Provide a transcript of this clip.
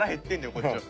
こっちは。